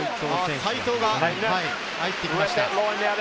齋藤が入ってきました。